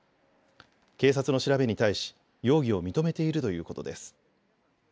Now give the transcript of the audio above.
警察の調べに対し容疑を認めているということです。